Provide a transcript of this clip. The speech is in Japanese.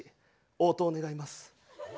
応答願います。